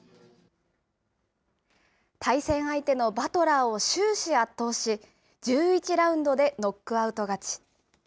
対戦相手のバトラーを終始圧倒し、１１ラウンドでノックアウト勝ち。